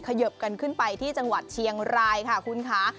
เยิบกันขึ้นไปที่จังหวัดเชียงรายค่ะคุณค่ะ